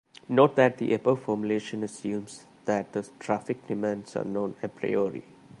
Note that the above formulation assumes that the traffic demands are known "a priori".